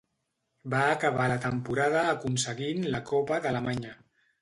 Va acabar la temporada aconseguint la Copa d'Alemanya.